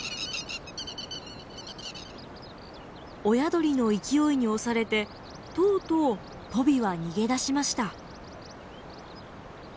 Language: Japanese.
親鳥の勢いに押されてとうとうトビは逃げ出しました。